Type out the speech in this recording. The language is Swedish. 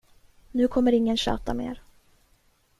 Nu kommer ingen tjata mer.